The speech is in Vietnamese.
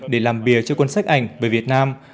để làm bìa cho cuốn sách ảnh về việt nam